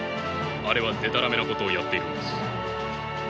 あれはでたらめなことをやっているのです。